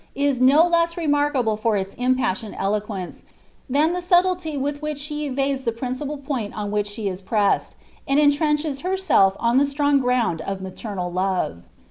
il aa Ina remarkable for its impassioned eloquence, than the sub ''■■■^y with which she evades the pnncipal point on which she is presseil, :' i ratrrucbes herself on the strong ground of maienud love.